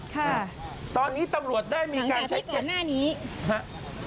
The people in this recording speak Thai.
ค่ะตอนนี้ตำรวจได้มีการใช้เก็บหลังจากที่ก่อนหน้านี้ฮะ